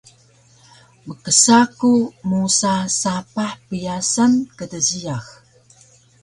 Mksa ku musa sapah pyasan kdjiyax